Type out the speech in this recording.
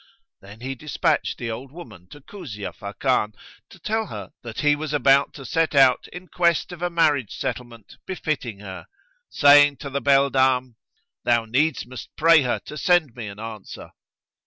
Then he despatched the old woman to Kuzia Fakan, to tell her that he was about to set out in quest of a marriage settle ment befitting her, saying to the beldam, "Thou needs must pray her to send me an answer."